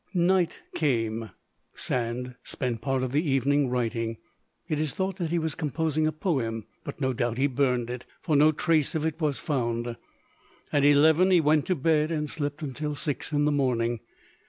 Night came. Sand spent part of the evening writing; it is thought that he was composing a poem; but no doubt he burned it, for no trace of it was found. At eleven he went to bed, and slept until six in the morning.